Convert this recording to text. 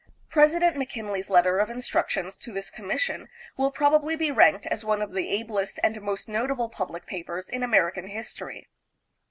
President McKinley's letter of instructions to this com mission will probably be ranked as one of the ablest and most notable public papers in American history.